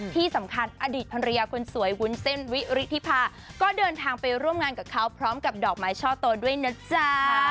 ที่สำคัญอดีตภรรยาคนสวยวุ้นเส้นวิริธิภาก็เดินทางไปร่วมงานกับเขาพร้อมกับดอกไม้ช่อโตด้วยนะจ๊ะ